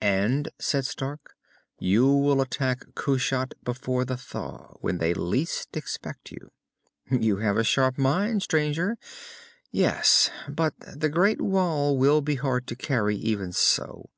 "And," said Stark, "you will attack Kushat before the thaw, when they least expect you." "You have a sharp mind, stranger. Yes. But the great wall will be hard to carry, even so.